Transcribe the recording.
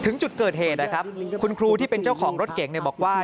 ถึงจุดเกิดเหตุนะครับคุณครูที่เป็นเจ้าของรถเก่งบอกว่า